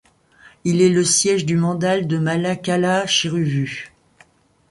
Il est le siège du mandal de Mulakalacheruvu.